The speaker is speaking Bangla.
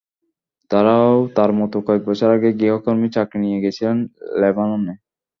তাঁরাও তাঁর মতো কয়েক বছর আগে গৃহকর্মীর চাকরি নিয়ে গিয়েছিলেন লেবাননে।